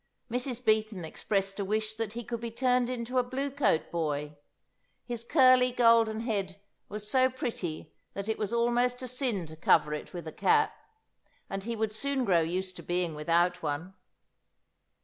Mrs. Beaton expressed a wish that he could be turned into a blue coat boy; his curly golden head was so pretty that it was almost a sin to cover it with a cap, and he would soon grow used to being without one.